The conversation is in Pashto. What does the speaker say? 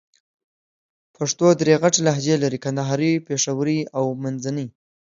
پښتو درې غټ لهجې لرې: کندهارۍ، پېښورۍ او منځني.